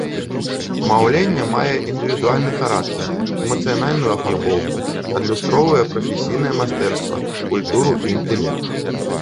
Маўленне мае індывідуальны характар, эмацыянальную афарбоўку, адлюстроўвае прафесійнае майстэрства, культуру і інтэлект.